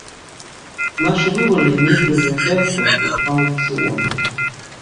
Наши выборы не превратятся в аукционы.